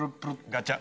ガチャ。